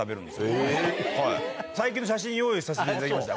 最近の写真用意させていただきました。